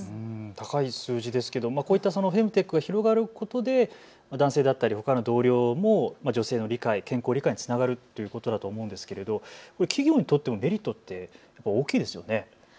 高い数字ですが、フェムテックが広がることで男性だったりほかの同僚も女性の理解、健康理解につながると思うのですが企業にとってのメリット、大きいですよね。